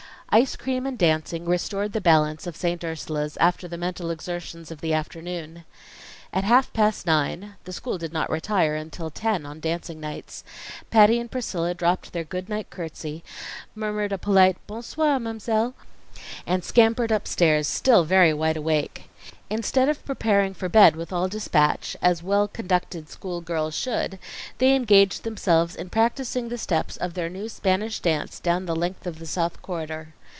Ice cream and dancing restored the balance of St. Ursula's, after the mental exertions of the afternoon. At half past nine the school did not retire until ten on dancing nights Patty and Priscilla dropped their goodnight courtesy, murmured a polite "Bon soir, Mam'selle," and scampered upstairs, still very wide awake. Instead of preparing for bed with all dispatch, as well conducted school girls should, they engaged themselves in practising the steps of their new Spanish dance down the length of the South Corridor.